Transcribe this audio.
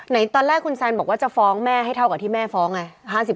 ตอนแรกคุณแซนบอกว่าจะฟ้องแม่ให้เท่ากับที่แม่ฟ้องไง